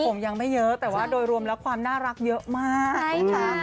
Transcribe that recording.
ผมยังไม่เยอะแต่ว่าโดยรวมแล้วความน่ารักเยอะมากใช่ค่ะ